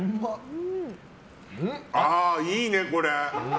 あー、いいね、これ！